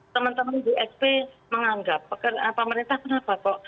teman teman di sp menganggap pemerintah kenapa kok